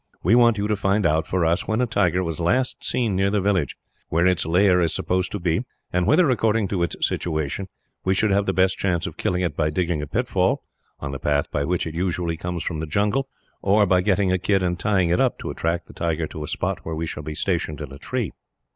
We want you to find out, for us, when a tiger was last seen near the village; where its lair is supposed to be; and whether, according to its situation, we should have the best chance of killing it by digging a pitfall, on the path by which it usually comes from the jungle; or by getting a kid and tying it up, to attract the tiger to a spot where we shall be stationed in a tree."